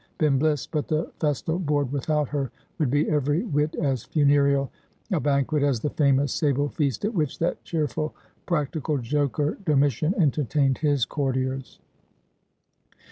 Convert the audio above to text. been bliss ; but the festal board without her would be every whit as funereal a banquet as the famous sable feast at which that cheerful practical joker Domitian entertained his courtiers.